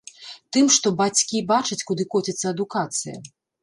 Тым, што бацькі бачаць, куды коціцца адукацыя.